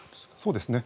そうですね。